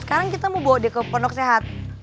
sekarang kita mau bawa dia ke pondok sehat